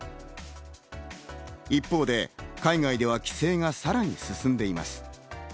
一方で海外では規制がさらに進んでいます。